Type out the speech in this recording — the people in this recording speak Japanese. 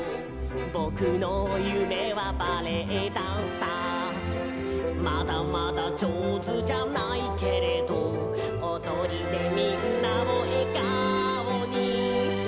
「ぼくのゆめはバレエダンサー」「まだまだじょうずじゃないけれど」「おどりでみんなをえがおにしたい」